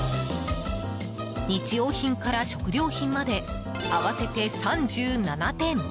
日用品から食料品まで合わせて３７点。